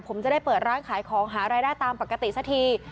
ผมจะได้เปิดร้านขายของหารายได้ตามปกติสักที